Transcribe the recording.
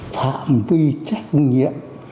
thảm vi trách nhiệm